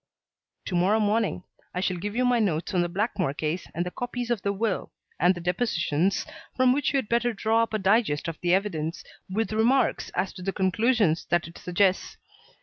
"To morrow morning. I shall give you my notes on the Blackmore case and the copies of the will and the depositions, from which you had better draw up a digest of the evidence with remarks as to the conclusions that it suggests.